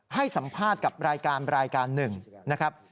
ให้สัมภาษณ์กับรายการรายการหนึ่งนะครับ